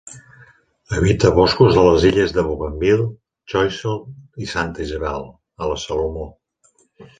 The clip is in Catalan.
Habita boscos de les illes de Bougainville, Choiseul i Santa Isabel, a les Salomó.